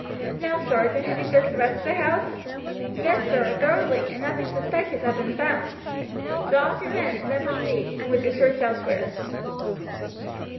Now, sergeant, have you searched the rest of the house?" "Yes, sir; thoroughly, and nothing suspicious has been found." "Draw off your men, then, and proceed, with your search elsewhere."